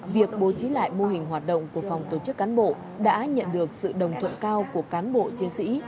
việc bố trí lại mô hình hoạt động của phòng tổ chức cán bộ đã nhận được sự đồng thuận cao của cán bộ chiến sĩ